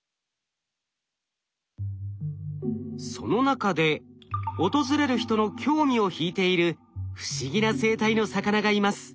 その中で訪れる人の興味を引いている不思議な生態の魚がいます。